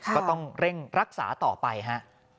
ก็ต้องเร่งรักษาต่อไปฮะ